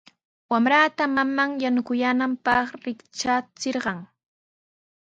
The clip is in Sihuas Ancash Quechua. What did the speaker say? Wamranta maman yanukuyaananpaq riktrachirqan.